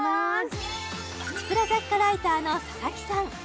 プチプラ雑貨ライターの佐々木さん